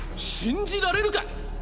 信じられるか！